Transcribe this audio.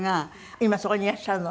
今そこにいらっしゃるの？